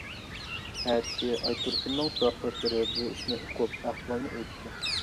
ئەتىسى ئايتۇرسۇننىڭ ساۋاقداشلىرى بۇ ئىشنى ئۇقۇپ ئەھۋالنى ئېيتتى.